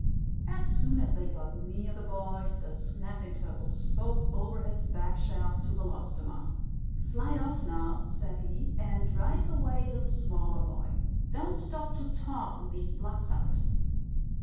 As soon as they got near the boys, the Snapping Turtle spoke over his back shell to Belostoma. "Slide off now," said he, "and drive away the smaller boy. Don't stop to talk with these Bloodsuckers."